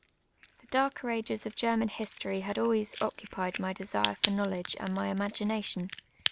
The darker a«^es of Gennan history had always occupied my desire for knowledge and my imai^ination.